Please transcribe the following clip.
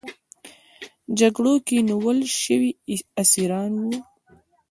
جګړو کې نیول شوي اسیران وو.